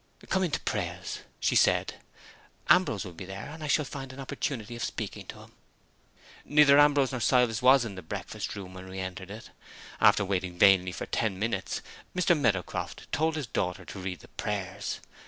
"Come in to prayers," she said. "Ambrose will be there, and I shall find an opportunity of speaking to him." Neither Ambrose nor Silas was in the breakfast room when we entered it. After waiting vainly for ten minutes, Mr. Meadowcroft told his daughter to read the prayers.